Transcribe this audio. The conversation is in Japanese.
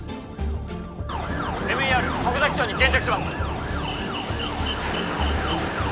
ＭＥＲ箱崎町に現着します